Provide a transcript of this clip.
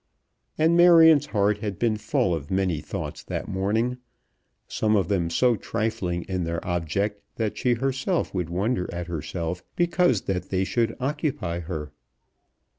And Marion's heart had been full of many thoughts that morning, some of them so trifling in their object, that she herself would wonder at herself because that they should occupy her.